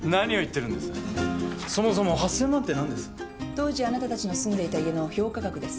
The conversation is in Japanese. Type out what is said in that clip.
当時あなたたちの住んでいた家の評価額です。